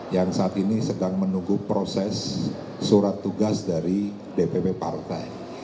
yang saat ini sedang menunggu proses surat tugas dari dpp partai